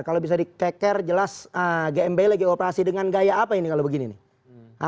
kalau bisa dikeker jelas gmbi lagi operasi dengan gaya apa ini kalau begini nih